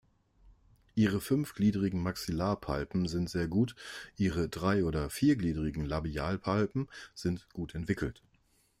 Ihre fünfgliedrigen Maxillarpalpen sind sehr gut, ihre drei- oder viergliedrigen Labialpalpen sind gut entwickelt.